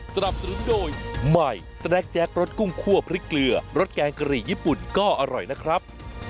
สนับสนุนโดยใหม่สแนคแจ็ครสกุ้งคั่วพริกเกลือรสแกงกะหรี่ญี่ปุ่นก็อร่อยนะครับ